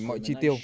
mọi chi tiêu